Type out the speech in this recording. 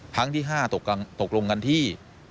ครั้งที่๕ตกลงกันที่